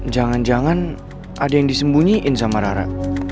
jangan jangan ada yang disembunyiin sama rara